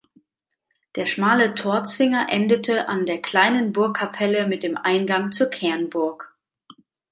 Der schmale Torzwinger endete an der kleinen Burgkapelle mit dem Eingang zur Kernburg.